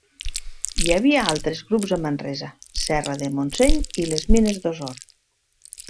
Hi havia altres grups a Manresa, serra de Montseny i les mines d'Osor.